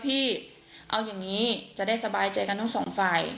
พี่เอาอย่างนี้จะได้สบายใจกันทั้งสองฝ่าย